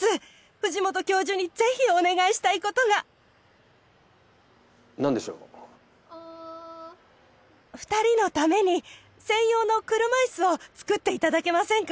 藤本教授にぜひお願いしたいことが何でしょう２人のために専用の車いすを作っていただけませんか？